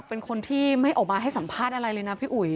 เป็นคนที่ไม่ออกมาให้สัมภาษณ์อะไรเลยนะพี่อุ๋ย